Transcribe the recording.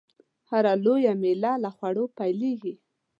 هره لويه میله له خوړو پیلېږي.